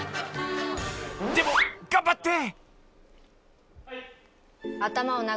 ［でも頑張って！］